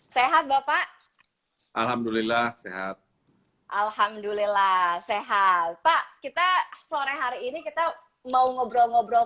sehat bapak alhamdulillah sehat alhamdulillah sehat pak kita sore hari ini kita mau ngobrol ngobrol